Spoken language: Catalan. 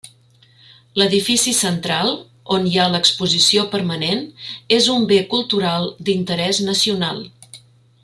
L'edifici central, on hi ha l'exposició permanent, és un bé cultural d'interès nacional.